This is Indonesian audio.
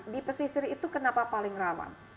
di pesisir itu kenapa paling rawan